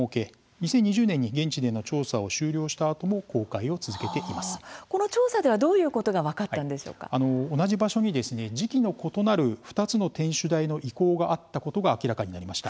２０２０年に現地での調査を終了したあとも調査ではどういうことが同じ場所に、時期の異なる２つの天守台の遺構があったことが明らかになりました。